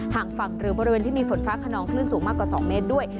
หากฝั่งหรือบริเวณที่มีฝนฟ้าขนองคลื่นสูงมากกว่า๒เมตรด้วย